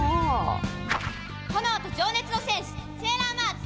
「炎と情熱の戦士セーラーマーズ！」